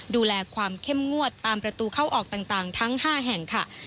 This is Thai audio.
ดูแลความเข้มงวดตามประตูเข้าออกต่างทั้ง๕แห่งค่ะ